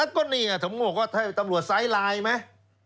ผมก็บอกว่าตำรวจไซด์ไลน์ไหม